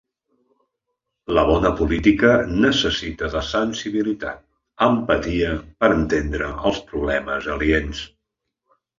La bona política necessita de sensibilitat, empatia, per entendre els problemes aliens.